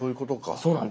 そうなんです。